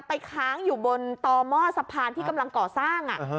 ไปค้างอยู่บนตมสะพานที่กำลังเกาะสร้างอ่ะ